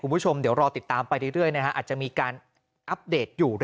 คุณผู้ชมเดี๋ยวรอติดตามไปเรื่อยอาจจะมีการอัปเดตอยู่